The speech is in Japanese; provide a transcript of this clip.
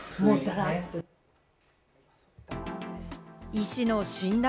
医師の診断